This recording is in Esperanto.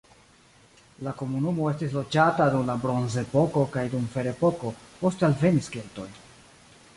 La komunumo estis loĝata dum la bronzepoko kaj dum ferepoko, poste alvenis keltoj.